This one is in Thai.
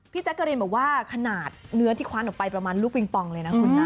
พี่แจ๊คเกอรินบอกว่าขนาดเนื้อที่ควั้นออกไปประมาณลูกวิ่งปองเลยนะคุณน้ำ